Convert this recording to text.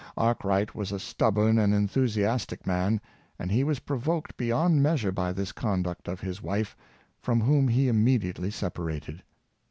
Ark wright was a stubborn and enthusiastic man, and he was provoked beyond measure by this conduct of his wife, from whom he immediately separated.